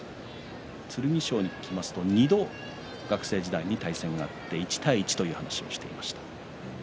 剣翔に聞きますと２度学生時代に対戦があって１対１という話をしていました。